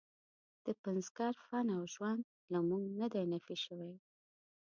د پنځګر فن او ژوند له موږ نه دی نفي شوی.